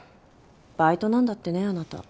バイトなんだってねあなた。